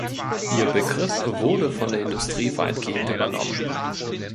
Ihr Begriff wurde von der Industrie weitgehend übernommen.